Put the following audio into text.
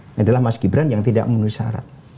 ini adalah mas gibran yang tidak memenuhi syarat